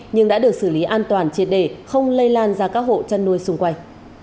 nhưng đã được xử lý an toàn triệt đề không lây lan ra các hộ chăn nuôi xung quanh